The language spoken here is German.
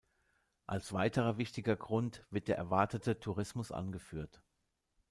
Als weiterer wichtiger Grund wird der erwartete Tourismus angeführt.